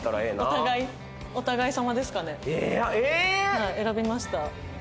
はい選びました。